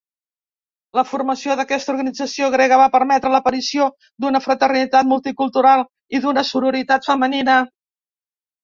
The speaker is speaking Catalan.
La formació d'aquesta organització grega va permetre l'aparició d'una fraternitat multicultural i d'una sororitat femenina.